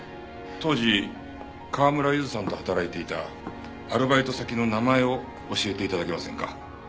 当時川村ゆずさんと働いていたアルバイト先の名前を教えて頂けませんか？